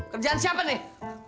kerjaan siapa nih